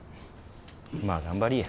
まあ頑張りぃや。